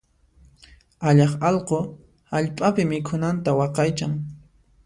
Allaq allqu hallp'api mikhunanta waqaychan.